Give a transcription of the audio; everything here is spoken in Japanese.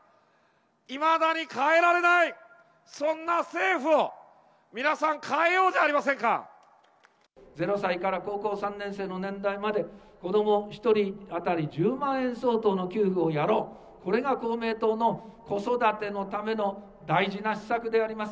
いまだに変えられない、そんな政府を、皆さん、変えようじゃあり０歳から高校３年生の年代まで、子ども１人当たり１０万円相当の給付をやろう、これが公明党の子育てのための大事な施策であります。